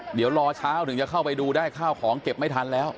เดี๋ยวรอเช้าถึงจะเข้าไปดูได้ข้าวของเก็บไม่ทันแล้ว